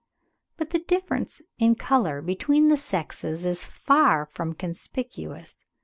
But the difference in colour between the sexes is far from conspicuous.